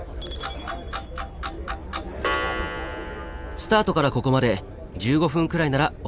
スタートからここまで１５分くらいならＯＫです。